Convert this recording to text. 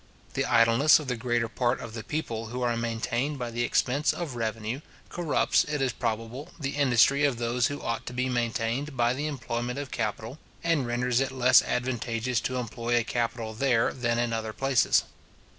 The idleness of the greater part of the people who are maintained by the expense of revenue, corrupts, it is probable, the industry of those who ought to be maintained by the employment of capital, and renders it less advantageous to employ a capital there than in other places.